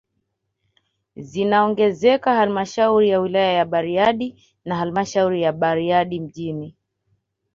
Zinaongezeka halmashauri ya wilaya ya Bariadi na halmashauri ya Bariadi mji